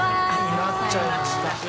なっちゃいました。